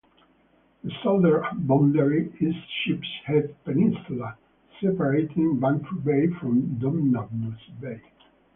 The southern boundary is Sheep's Head Peninsula, separating Bantry Bay from Dunmanus Bay.